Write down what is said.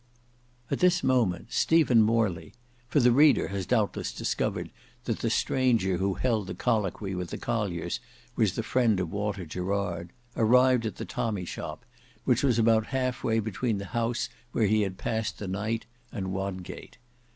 At this moment, Stephen Morley, for the reader has doubtless discovered that the stranger who held colloquy with the colliers was the friend of Walter Gerard, arrived at the tommy shop, which was about half way between the house where he had passed the night and Wodgate.